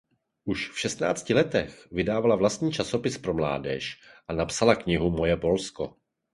Už v šestnácti letech vydávala vlastní časopis pro mládež a napsala knihu Moje Polsko.